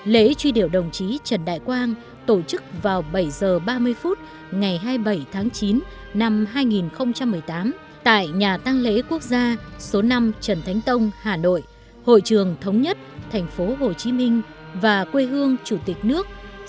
lễ truy điệu đồng chí trần đại quang tổ chức vào bảy h ba mươi phút ngày hai mươi bảy tháng chín năm hai nghìn một mươi tám tại nhà tăng lễ quốc gia số năm trần thánh tông hà nội hội trường thống nhất thành phố hồ chí minh và quê hương chủ tịch nước